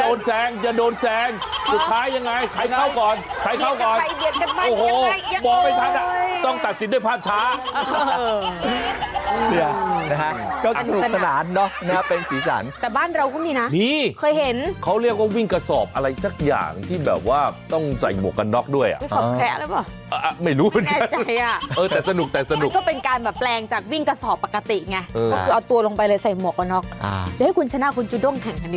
โอ้โฮโอ้โฮโอ้โฮโอ้โฮโอ้โฮโอ้โฮโอ้โฮโอ้โฮโอ้โฮโอ้โฮโอ้โฮโอ้โฮโอ้โฮโอ้โฮโอ้โฮโอ้โฮโอ้โฮโอ้โฮโอ้โฮโอ้โฮโอ้โฮโอ้โฮโอ้โฮโอ้โฮโอ้โฮโอ้โฮโอ้โฮโอ้โฮโอ้โฮโอ้โฮโอ้โฮโอ้โ